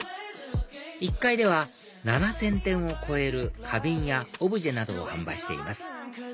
１階では７０００点を超える花瓶やオブジェなどを販売しています